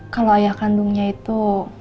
kalau ayah kandungnya itu